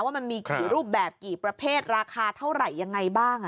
ว่ามันมีกี่รูปแบบกี่ประเภทราคาเท่าไหร่ยังไงบ้าง